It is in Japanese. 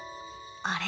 あれ？